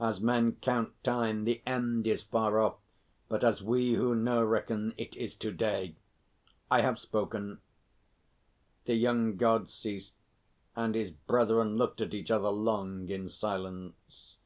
As men count time the end is far off; but as we who know reckon it is to day. I have spoken." The young God ceased, and his brethren looked at each other long in silence.